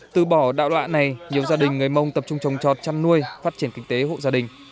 từ bỏ đạo lạ này nhiều gia đình người mông tập trung trồng trọt chăn nuôi phát triển kinh tế hộ gia đình